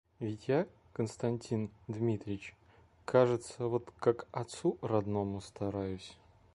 Ведь я, Константин Дмитрич, кажется, вот как отцу родному стараюсь.